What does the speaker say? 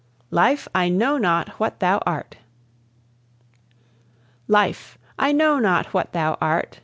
LIFE, I KNOW NOT WHAT THOU ART. Life! I know not what thou art.